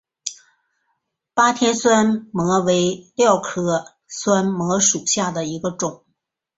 巴天酸模为蓼科酸模属下的一个种。